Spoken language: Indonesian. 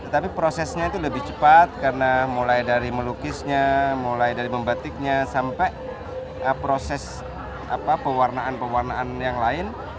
tapi prosesnya itu lebih cepat karena mulai dari melukisnya mulai dari membatiknya sampai proses pewarnaan pewarnaan yang lain